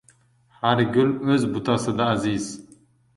Har gul o'z butasida aziz.